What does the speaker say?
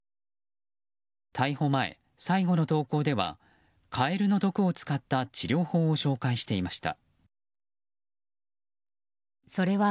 逮捕前最後の投稿ではカエルの毒を使った治療法を紹介していました。